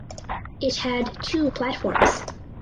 It had two platforms.